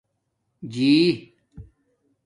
جیݵ